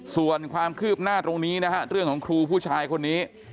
ส่วนความคืบหน้าตรงนี้นะฮะเรื่องของครูผู้ชายคนนี้